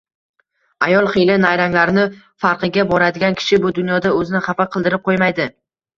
Ayol xiyla-nayranglarini farqiga boradigan kishi bu dunyoda o`zini xafa qildirib qo`ymaydi